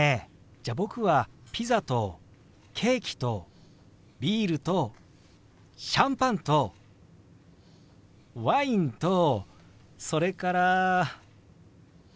じゃあ僕はピザとケーキとビールとシャンパンとワインとそれから。